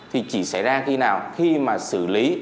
thì chỉ xảy ra khi nào khi mà xử lý